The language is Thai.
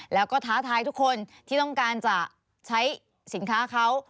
แล้วก็ท้าทายทุกคนที่ต้องการจะใช้สินค้าเขา